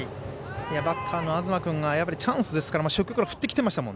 バッターの東君がチャンスですから初球から振ってきてました。